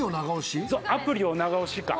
アプリを長押しか。